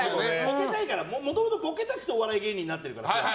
もともとボケたくてお笑い芸人になってるから。